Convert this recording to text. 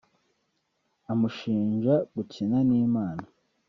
amushinjaga gukina n’Imana